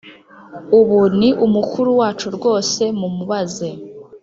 Ubu ni umukuru wacu rwose mumubaze